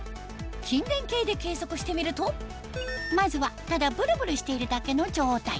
筋電計で計測してみるとまずはただブルブルしているだけの状態